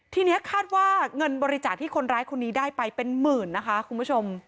ทีนี้คาดว่าเงินบริจาคที่คนร้ายคนนี้ได้ไปเป็นหมื่นนะคะคุณผู้ชม